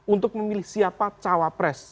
untuk memilih siapa cawapres